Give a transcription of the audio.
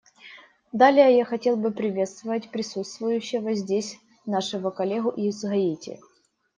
Далее, я хотел бы приветствовать присутствующего здесь нашего коллегу из Гаити.